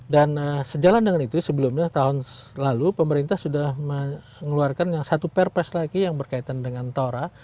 dan sejalan dengan itu sebelumnya tahun lalu pemerintah sudah mengeluarkan yang satu purpose lagi yang berkaitan dengan tora